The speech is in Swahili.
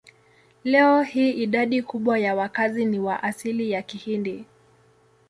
Leo hii idadi kubwa ya wakazi ni wa asili ya Kihindi.